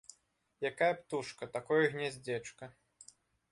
Якая птушка, такое і гняздзечка